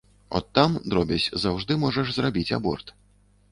От там, дробязь, заўжды можаш зрабіць аборт.